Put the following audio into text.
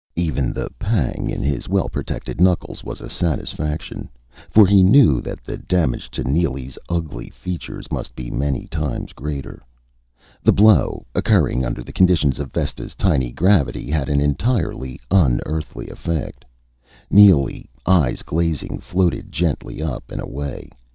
Even the pang in his well protected knuckles was a satisfaction for he knew that the damage to Neely's ugly features must be many times greater. The blow, occurring under the conditions of Vesta's tiny gravity, had an entirely un Earthly effect. Neely, eyes glazing, floated gently up and away.